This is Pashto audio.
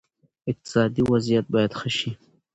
اقتصادي وضعیت باید ښه شي.